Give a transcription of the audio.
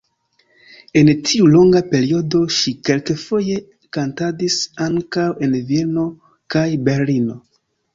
En tiu longa periodo ŝi kelkfoje kantadis ankaŭ en Vieno kaj Berlino.